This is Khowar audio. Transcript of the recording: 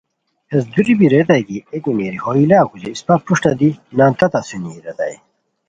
ہیس دوری بی ریتائے کی اے کیمیری ہو یی لاکوسی اسپہ پروشٹہ دی نان تات اسونی ریتائے